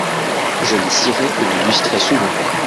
Je les cirais et les lustrais souvent.